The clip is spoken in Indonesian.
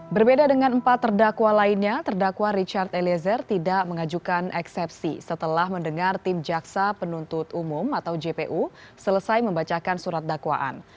berbeda dengan empat terdakwa lainnya terdakwa richard eliezer tidak mengajukan eksepsi setelah mendengar tim jaksa penuntut umum atau jpu selesai membacakan surat dakwaan